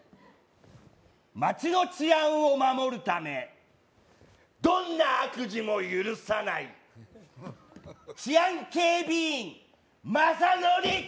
町の治安を守るためどんな悪事も許さない治安警備員雅紀！